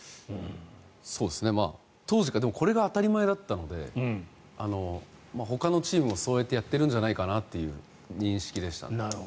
当時からこれが当たり前だったのでほかのチームもそうやっているんじゃないかという認識でした。